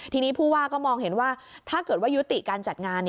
ทีนี้ผู้ว่าก็มองเห็นว่าถ้าเกิดว่ายุติการจัดงาน